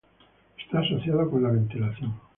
Está asociado con la ventilación.